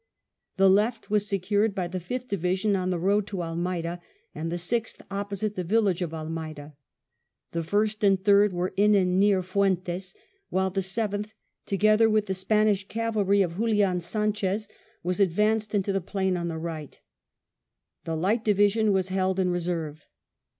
The left was secured by the Fifth Division on the road to Almeida, and the Sixth op posite the village of Almeida ; the First and Third were in and near Fuentes, while the Seventh, together with the Spanish cavalry of Julian Sanchez, was advanced into the plain on the right The Light Division was held in reserve.